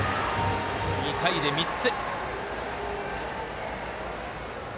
２回で３つ。